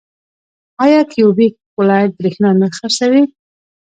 آیا کیوبیک ولایت بریښنا نه خرڅوي؟